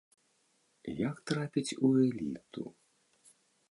Як трапіць у эліту?